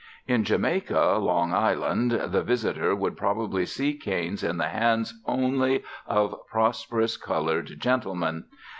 In Jamaica, Long Island, the visitor would probably see canes in the hands only of prosperous coloured gentlemen.